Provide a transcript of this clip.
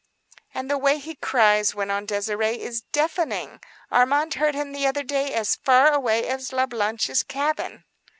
"And the way he cries," went on Désirée, "is deafening. Armand heard him the other day as far away as La Blanche's cabin."